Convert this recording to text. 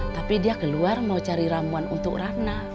tapi dia keluar mau cari ramuan untuk ratna